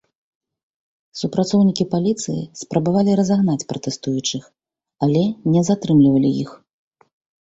Супрацоўнікі паліцыі спрабавалі разагнаць пратэстуючых, але не затрымлівалі іх.